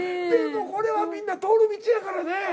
これはみんな通る道やからね。